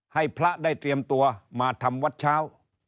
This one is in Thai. ให้พระได้เตรียมตัวมาทำวัดเช้า